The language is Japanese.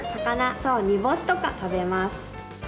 そう煮干しとか食べます。